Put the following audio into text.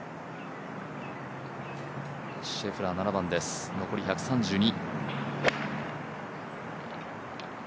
シェフラー、７番です、残り１３２。